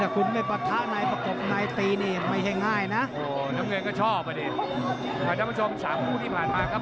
คุณผู้ชม๓คู่ที่ผ่านมาครับ